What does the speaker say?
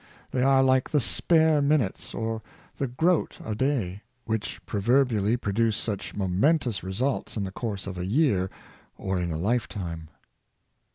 They are like the spare minutes, or the groat a day, which proverbially produce such momen tous results in the course of a year or in a lifetime.